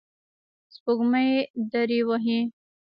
سپوږمۍ دریه وهي